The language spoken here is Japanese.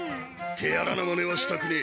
手荒なまねはしたくねえ。